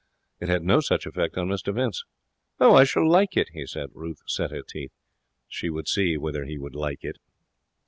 It had no such effect on Mr Vince. 'I shall like it,' he said. Ruth set her teeth. She would see whether he would like it.